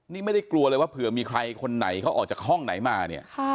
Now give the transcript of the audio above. นี่ไม่ได้กลัวเลยว่าเผื่อมีใครคนไหนเขาออกจากห้องไหนมาเนี่ย